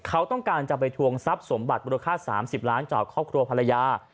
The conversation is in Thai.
เขาต้องการจะไปทวงทรัพย์สมบัติมูลค่า๓๐ล้านจากครอบครัวภรรยา